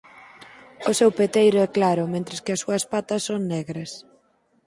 O seu peteiro é claro mentres que as súas patas son negras.